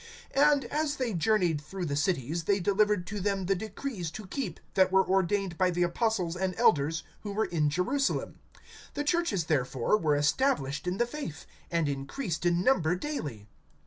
(4)And as they journeyed through the cities, they delivered to them the decrees to keep, that were ordained by the apostles and elders who were in Jerusalem. (5)The churches, therefore, were established in the faith, and increased in number daily.